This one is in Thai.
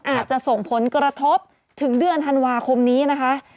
อาจจะส่งผลกระทบถึงเดือนธันวาคมนี้นะคะ